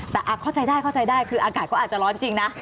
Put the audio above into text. แต่เข้าใจได้คืออากาศก็อาจจะร้อนจริงนะ